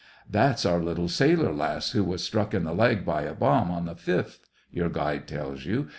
"■ That's our little sailor lass who was struck in the leg by a bomb on the 5th," your guide tells you.